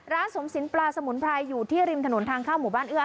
สมสินปลาสมุนไพรอยู่ที่ริมถนนทางเข้าหมู่บ้านเอื้อ